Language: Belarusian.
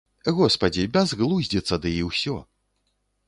Госпадзі, бязглуздзіца ды і ўсё.